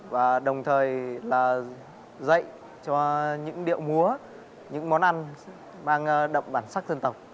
và đồng thời là dạy cho những điệu múa những món ăn mang đậm bản sắc dân tộc